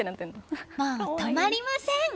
もう止まりません！